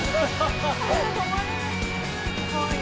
かわいい！